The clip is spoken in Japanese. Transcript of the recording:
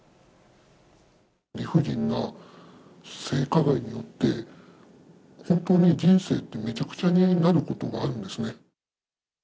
理不尽な性加害によって、本当に人生ってめちゃくちゃになることがあるんですね。